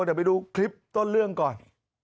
เดี๋ยวไปดูคลิปต้นเรื่องก่อน